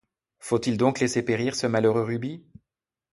Faut-il donc laisser périr ce malheureux Ruby?